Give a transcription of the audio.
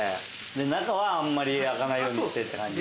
中はあんまり焼かないようにしてって感じ。